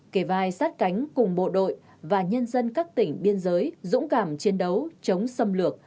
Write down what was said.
kề vai sát cánh cùng bộ đội và nhân dân các tỉnh biên giới dũng cảm chiến đấu chống xâm lược